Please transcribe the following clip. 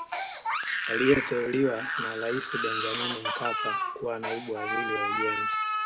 aliteuliwa na raisi benjamin mkapa kuwa naibu waziri wa ujenzi